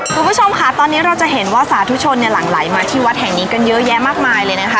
คุณผู้ชมค่ะตอนนี้เราจะเห็นว่าสาธุชนเนี่ยหลั่งไหลมาที่วัดแห่งนี้กันเยอะแยะมากมายเลยนะคะ